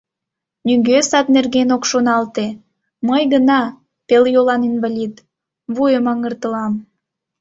Нигӧ сад нерген ок шоналте, мый гына, пелйолан инвалид, вуйым аҥыртылам.